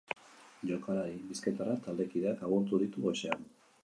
Jokalari bizkaitarrak taldekideak agurtu ditu goizean.